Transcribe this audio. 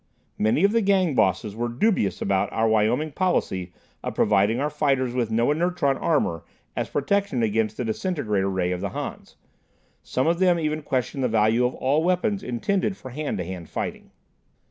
Many of the Gang Bosses were dubious about our Wyoming policy of providing our fighters with no inertron armor as protection against the disintegrator ray of the Hans. Some of them even questioned the value of all weapons intended for hand to hand fighting.